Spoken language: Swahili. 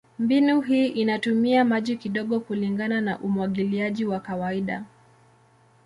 Mbinu hii inatumia maji kidogo kulingana na umwagiliaji wa kawaida.